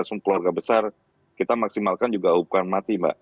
langsung keluarga besar kita maksimalkan juga hukuman mati mbak